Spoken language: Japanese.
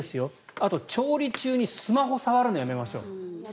あと、調理中にスマホを触るのやめましょう。